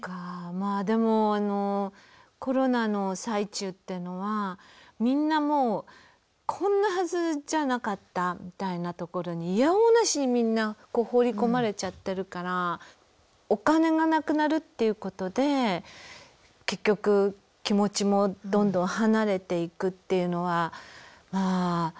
まあでもあのコロナの最中っていうのはみんなもうこんなはずじゃなかったみたいなところにいやおうなしにみんな放り込まれちゃってるからお金がなくなるっていうことで結局気持ちもどんどん離れていくっていうのはまあたくさんあったかもね。